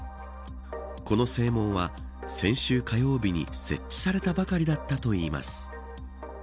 この正門は先週火曜日に設置されたばかりだったといいます。